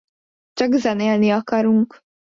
Csak zenélni akarunk.